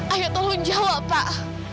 ayah tolong jawab pak